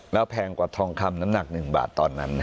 แล้วแพงกว่าทองคำหน้างหนัก๑บาท